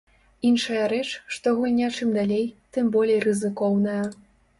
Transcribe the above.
Іншая рэч, што гульня чым далей, тым болей рызыкоўная.